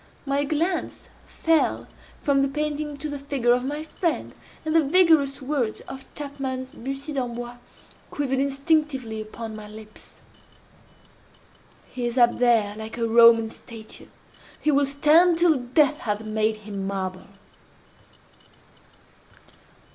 My glance fell from the painting to the figure of my friend, and the vigorous words of Chapman's Bussy D'Ambois, quivered instinctively upon my lips: "He is up There like a Roman statue! He will stand Till Death hath made him marble!"